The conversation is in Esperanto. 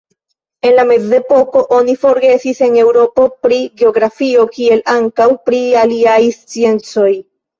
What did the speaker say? En la mezepoko oni forgesis en Eŭropo pri geografio, kiel ankaŭ pri aliaj sciencoj.